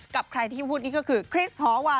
กับใครที่พูดนี่ก็คือคริสหอวา